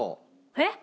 えっ？